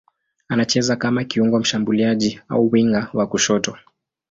Anacheza kama kiungo mshambuliaji au winga wa kushoto.